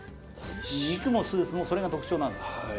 肉もスープもそれが特徴なんです。